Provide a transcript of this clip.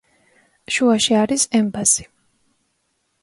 შუაში არის ემბაზი.